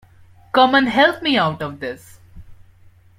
Come and help me out of this!’